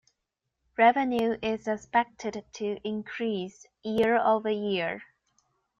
Revenue is expected to increase year over year.